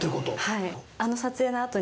はい。